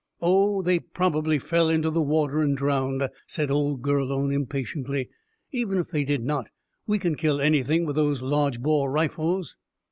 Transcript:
"Oh, they probably fell into the water and drowned," said old Gurlone impatiently. "Even if they did not, we can kill anything with these large bore rifles."